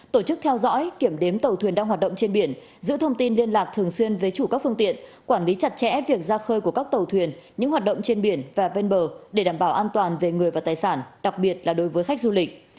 tổ chức theo dõi kiểm đếm tàu thuyền đang hoạt động trên biển giữ thông tin liên lạc thường xuyên với chủ các phương tiện quản lý chặt chẽ việc ra khơi của các tàu thuyền những hoạt động trên biển và ven bờ để đảm bảo an toàn về người và tài sản đặc biệt là đối với khách du lịch